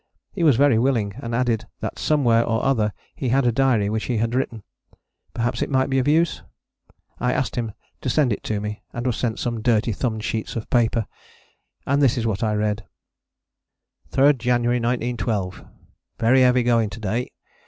He was very willing, and added that somewhere or other he had a diary which he had written: perhaps it might be of use? I asked him to send it me, and was sent some dirty thumbed sheets of paper. And this is what I read: 3rd January 1912. Very heavy going to day.